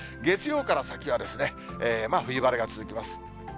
月曜から先はですね、冬晴れが続きます。